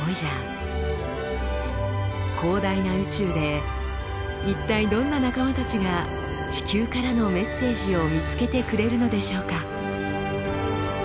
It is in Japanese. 広大な宇宙で一体どんな仲間たちが地球からのメッセージを見つけてくれるのでしょうか？